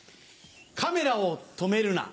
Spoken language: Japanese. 『カメラを止めるな！』